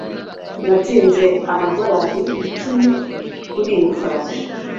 Natsinze amadorari icumi kuri iyo farashi